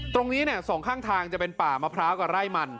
ตรงนี้เนี่ยสองข้างทางจะเป็นป่ามะพร้าวกับไร่มัน